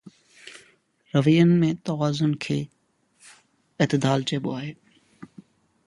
روين ۾ توازن کي اعتدال چئبو آهي